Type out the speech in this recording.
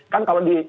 kan kalau di